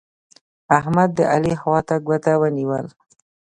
احمد؛ د علي خوا ته ګوته ونيول.